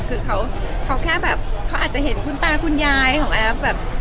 คือเขาแค่แบบเขาอาจจะเห็นคุณตาคุณยายของแอฟแบบ